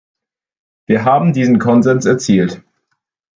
Wir haben diesen Konsens erzielt.